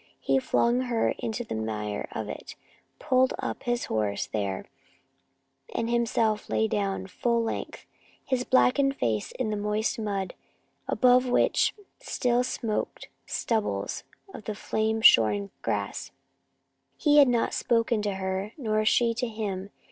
He flung her into the mire of it, pulled up his horse there and himself lay down, full length, his blackened face in the moist mud above which still smoked stubbles of the flame shorn grass. He had not spoken to her, nor she to him.